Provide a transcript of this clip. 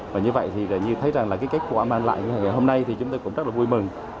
và như vậy thì như thấy rằng là cái kết quả mang lại hôm nay thì chúng tôi cũng rất là vui mừng